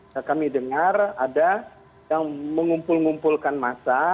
kita dengar ada yang mengumpul ngumpulkan massa